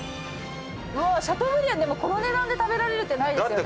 うわシャトーブリアンでもこの値段で食べられるってないですよね。